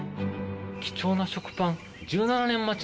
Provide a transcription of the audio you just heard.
貴重な食パン。